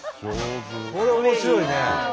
これ面白いね。